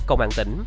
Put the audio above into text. công an tỉnh